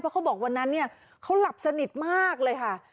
เขาบอกวันนั้นเนี่ยเขาหลับสนิทมากเลยค่ะ